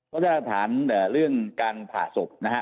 ก็ได้หลักฐานเรื่องการผ่าศพนะฮะ